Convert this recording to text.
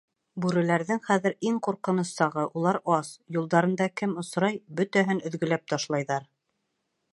Бүреләрҙең хәҙер иң ҡурҡыныс сағы, улар ас, юлдарында кем осрай, бөтәһен өҙгәләп ташлайҙар.